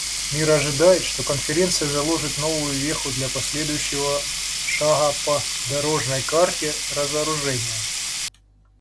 Мир ожидает, что Конференция заложит новую веху для последующего шага по "дорожной карте" разоружения.